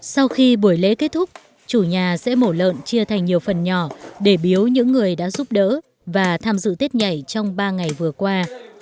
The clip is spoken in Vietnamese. sau khi buổi lễ kết thúc chủ nhà sẽ mổ lợn chia thành nhiều phần nhỏ để biếu những người đã giúp đỡ và tham dự tết nhảy trong ba ngày vừa qua